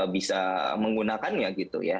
bisa menggunakannya gitu ya